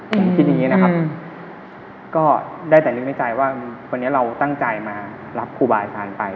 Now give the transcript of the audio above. ผมคิดอย่างนี้นะครับก็ได้แต่นึกในใจว่าวันนี้เราตั้งใจมารับครูบาอาจารย์ไป